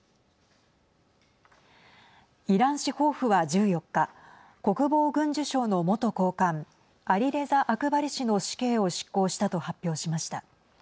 イラン司法府は１４日国防軍需省の元高官アリレザ・アクバリ氏の死刑を執行したと発表しました。